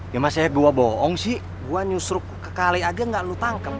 ya masih gue bohong sih gue nyusruk ke kali aja gak lu tangkep